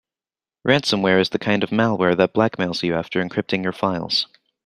Ransomware is the kind of malware that blackmails you after encrypting your files.